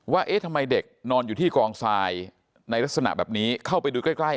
เอ๊ะทำไมเด็กนอนอยู่ที่กองทรายในลักษณะแบบนี้เข้าไปดูใกล้ใกล้